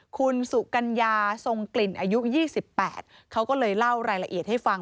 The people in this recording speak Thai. คุณสุกัญญาทรงกลิ่นอายุ๒๘เขาก็เลยเล่ารายละเอียดให้ฟัง